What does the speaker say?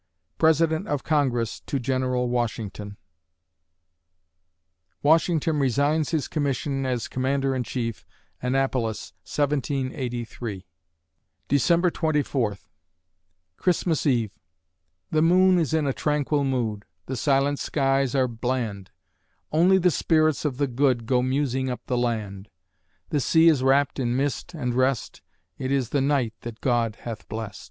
(President of Congress, to General Washington) Washington resigns his commission as Commander in Chief, Annapolis, 1783 December Twenty Fourth CHRISTMAS EVE The moon is in a tranquil mood; The silent skies are bland: Only the spirits of the good Go musing up the land: The sea is wrapped in mist and rest; It is the night that God hath blest.